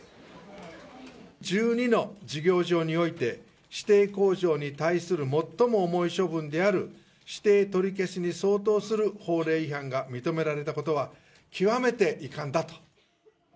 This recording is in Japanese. １２の事業場において、指定工場に対する最も重い処分である指定取り消しに相当する法令違反が認められたことは極めて遺憾だと。